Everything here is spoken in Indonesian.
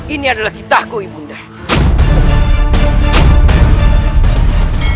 ini adalah kitahku ibu undamu